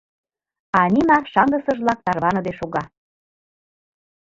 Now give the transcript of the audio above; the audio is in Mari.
А Нина шаҥгысыжлак тарваныде шога.